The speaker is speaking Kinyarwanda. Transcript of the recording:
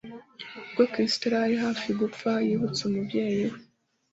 ubwo kristo yari hafi gupfa, yibutse umubyeyi we